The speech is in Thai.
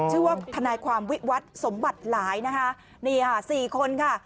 ชื่อว่าทนายความวิวัตรสมบัติหลายนะคะนี่ค่ะสี่คนค่ะ